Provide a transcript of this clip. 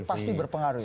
itu pasti berpengaruh ya